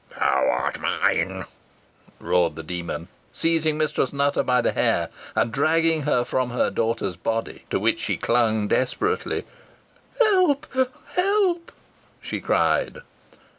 "Thou art mine," roared the demon, seizing Mistress Nutter by the hair, and dragging her from her daughter's body, to which she clung desperately. "Help! help!" she cried.